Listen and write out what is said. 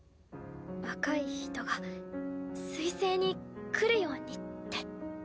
若い人が水星に来るようにって。